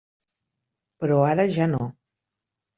Però ara ja no.